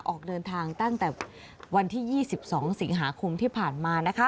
ออกเดินทางตั้งแต่วันที่๒๒สิงหาคมที่ผ่านมานะคะ